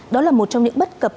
đó là một trong những bất cập